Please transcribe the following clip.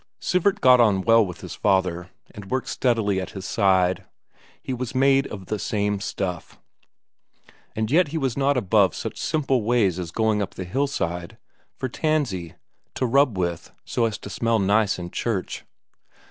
Sivert got on well with his father, and worked steadily at his side; he was made of the same stuff. And yet he was not above such simple ways as going up the hillside for tansy to rub with so as to smell nice in church.